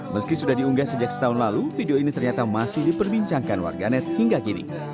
meski sudah diunggah sejak setahun lalu video ini ternyata masih diperbincangkan warganet hingga kini